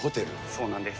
そうなんです。